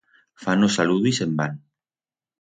Fan o saludo y se'n van.